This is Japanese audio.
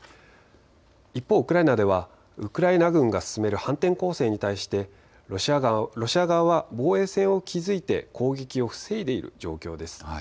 一方、ウクライナではウクライナ軍が進める反転攻勢に対してロシア側は防衛線を築いて攻撃を防いでいる状況です。